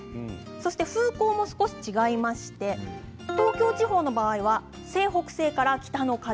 そして風向も少し違いまして東京地方の場合は西北西から北の風。